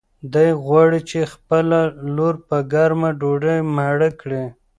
دی غواړي چې خپله لور په ګرمه ډوډۍ مړه کړي.